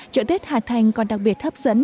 chợ tết hà thành còn đặc biệt hấp dẫn